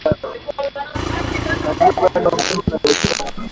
Zanzibar ilikuwa eneo muhimu la biashara